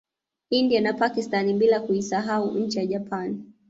India na Pakstani bila kuisahau nchi ya Japani